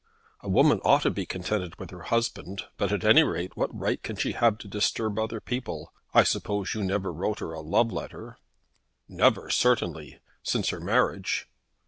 "A woman ought to be contented with her husband. But at any rate what right can she have to disturb other people? I suppose you never wrote her a love letter." "Never, certainly; since her marriage."